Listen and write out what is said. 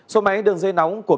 số máy đường dây nóng của